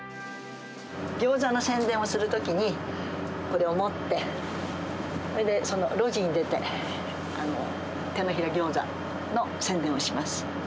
ギョーザの宣伝をするときに、これを持ってそれで路地に出て、てのひらギョーザの宣伝をします。